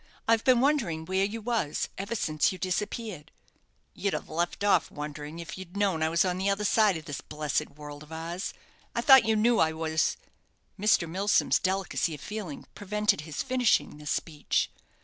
I've been wondering where you was ever since you disappeared." "You'd have left off wondering if you'd known I was on the other side of this blessed world of ours. I thought you knew I was " Mr. Milsom's delicacy of feeling prevented his finishing this speech.